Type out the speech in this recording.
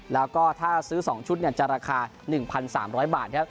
แล้วก็ถ้าซื้อ๒ชุดจะราคา๑๓๐๐บาทครับ